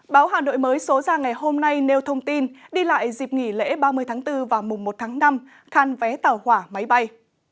báo hà nội mới số ra ngày hôm nay nêu thông tin đi lại dịp nghỉ lễ ba mươi tháng bốn và mùng một tháng năm khan vé tàu hỏa máy bay